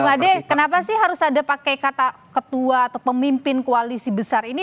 bung ade kenapa sih harus ada pakai kata ketua atau pemimpin koalisi besar ini